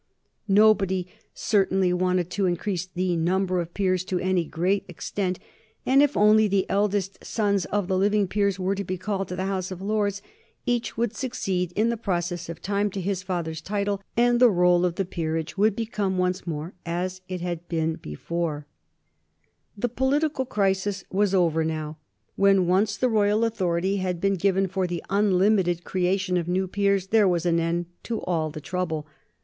Nobody certainly wanted to increase the number of peers to any great extent, and if only the eldest sons of the living peers were to be called to the House of Lords each would succeed in process of time to his father's title and the roll of the peerage would become once again as it had been before. [Sidenote: 1832 Passage of the third Reform Bill] The political crisis was over now. When once the royal authority had been given for the unlimited creation of new peers there was an end of all the trouble.